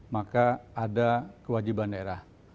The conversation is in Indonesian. maka ada kewajiban daerah